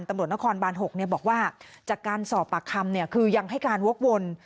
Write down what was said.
ตำรวจนครบาน๖บอกว่าจากการสอบปากคำคือยังให้การวกวน